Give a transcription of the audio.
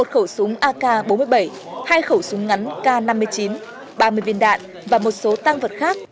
một khẩu súng ak bốn mươi bảy hai khẩu súng ngắn k năm mươi chín ba mươi viên đạn và một số tăng vật khác